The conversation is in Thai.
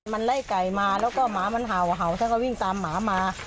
มันไล่ไก่มาแล้วก็หาวแล้วก็วิ่งตามหมามา